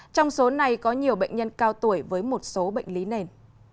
trong số này có nhiều bệnh nhân cao tuổi với một số bệnh lý nền